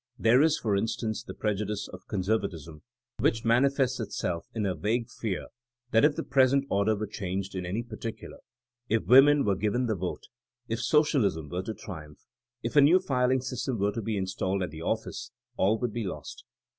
There is, for instance, the prejudice of conservatism, which manifests itself in a vague fear that if the present order were changed in any particular — ^if women were given the vote, if socialism were to triumph, if a new filing system were to be installed at the oflSce— all would be lost.